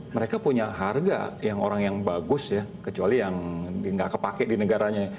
mereka punya harga yang orang yang bagus ya kecuali yang nggak kepake di negaranya